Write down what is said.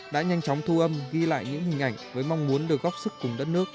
đã nhanh chóng thu âm ghi lại những hình ảnh với mong muốn được góp sức cùng đất nước